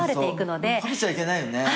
こびちゃいけないよね。